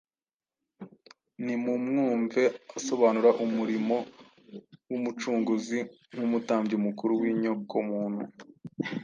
Nimumwumve asobanura umurimo w’Umucunguzi nk’umutambyi mukuru w’inyokomuntu,